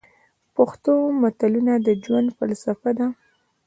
پښتو متلونه د ژوند فلسفه ده.